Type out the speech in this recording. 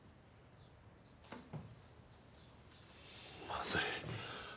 まずい。